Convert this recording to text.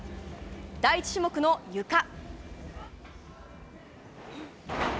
第１種目のゆか。